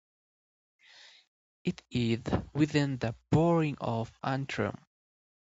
It is within the Borough of Antrim.